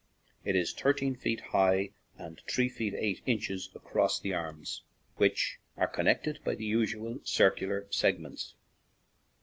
It is thirteen feet high and three feet eight inches across the arms, which are con nected by the usual circular segments.